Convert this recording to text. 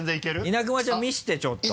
稲熊ちゃん見してちょっと。